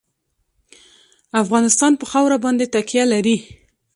افغانستان په خاوره باندې تکیه لري.